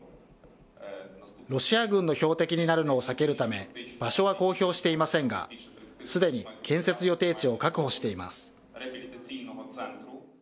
ロシア軍の標的になるのを避けるため、場所は公表していませんが、すでに建設予定地を確保しています。